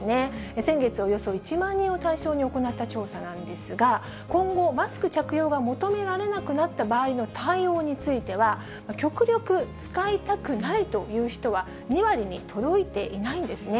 先月およそ１万人を対象に行った調査なんですが、今後、マスク着用が求められなくなった場合の対応については、極力使いたくないという人は２割に届いていないんですね。